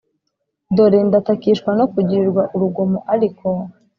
Dore ndatakishwa no kugirirwa urugomo ariko